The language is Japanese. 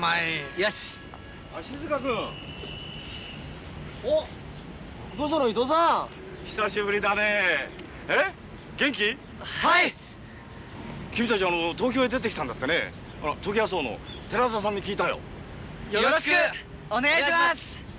よろしくお願いします！